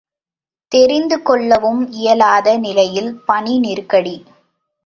தெரிந்து கொள்ளவும் இயலாத நிலையில் பணி நெருக்கடி!